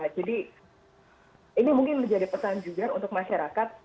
jadi ini mungkin menjadi pesan juga untuk masyarakat